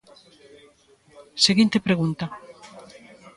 Seguinte pregunta.